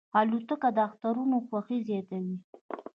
الوتکه د اخترونو خوښي زیاتوي.